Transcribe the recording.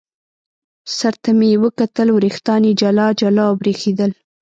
سر ته مې یې وکتل، وریښتان یې جلا جلا او برېښېدل.